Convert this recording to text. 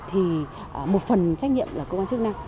thì một phần trách nhiệm là cơ quan chức năng